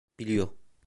Biliyor.